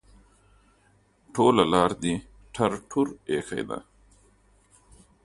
ټوله لار دې ټر ټور ایښی ده.